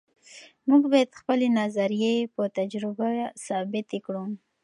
موږ باید خپلې نظریې په تجربه ثابتې کړو.